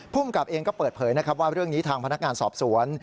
ภูมิกับเองก็เปิดเผยนะครับว่าเรื่องนี้ทางพนักงานสอบสวน